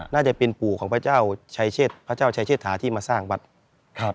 น่าจะเป็นปู่ของพระเจ้าชัยเชษฐาที่มาสร้างบัตร